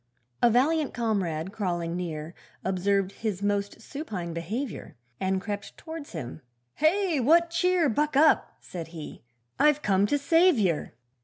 A valiant comrade crawling near Observed his most supine behaviour, And crept towards him, 'Hey! what cheer? Buck up,' said he, 'I've come to save yer.